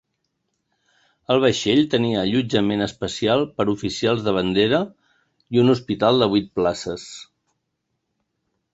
El vaixell tenia allotjament especial per a oficials de bandera i un hospital de vuit places.